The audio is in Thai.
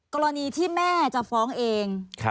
กรณีที่แม่จะฟ้องเอง